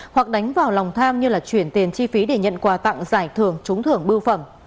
hoặc đánh vào lòng tham như là chuyển tiền chi phí để nhận quà tặng giải thưởng trúng thưởng bưu phẩm